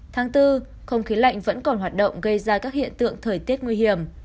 tháng bốn không khí lạnh vẫn còn hoạt động gây ra các hiện tượng thời tiết nguy hiểm